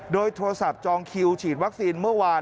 โดยโทรศัพท์จองคิวฉีดวัคซีนเมื่อวาน